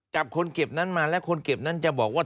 จับคนเก็บนั้นมาและคนเก็บนั้นจะบอกว่า